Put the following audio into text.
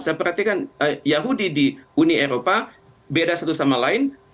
saya perhatikan yahudi di uni eropa beda satu sama lain